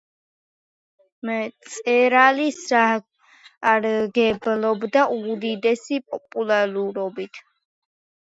მწერალი სარგებლობდა უდიდესი პოპულარობით.